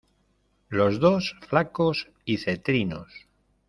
los dos flacos y cetrinos: